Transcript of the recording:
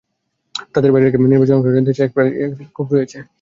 তাদের বাইরে রেখে নির্বাচন হওয়ায় দেশের প্রায় এক-তৃতীয়াংশ মানুষের মধ্যে ক্ষোভ রয়েছে।